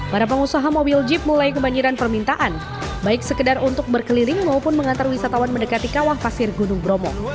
para pengusaha mobil jeep mulai kebanjiran permintaan baik sekedar untuk berkeliling maupun mengantar wisatawan mendekati kawah pasir gunung bromo